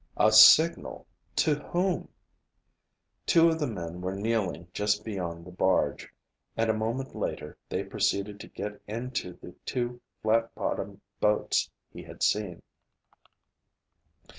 A signal! To whom? Two of the men were kneeling just beyond the barge, and a moment later they proceeded to get into the two flat bottomed boats he had seen.